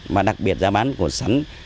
và đặc biệt giá bán của sắn